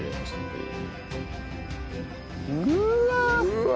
うわ！